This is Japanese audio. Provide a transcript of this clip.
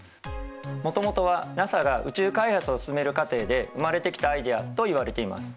もともとはＮＡＳＡが宇宙開発を進める過程で生まれてきたアイデアといわれています。